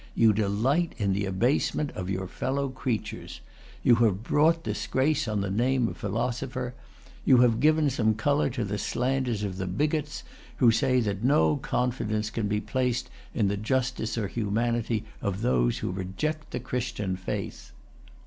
You delight in the abasement of your fellow creatures. You have brought disgrace on the name of philosopher. You have given some color to the slanders of the bigots, who say that no confidence can be placed in the justice or humanity of those who reject the Christian faith."